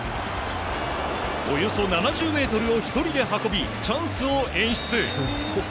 およそ７０ｍを１人で運びチャンスを演出。